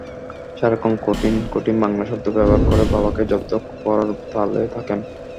সারাক্ষণ কঠিন কঠিন বাংলা শব্দ ব্যবহার করে বাবাকে জব্দ করার তালে থাকেন।